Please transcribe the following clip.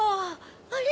あれ？